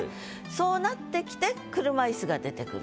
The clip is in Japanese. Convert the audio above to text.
そうなってきて「車いす」が出てくる。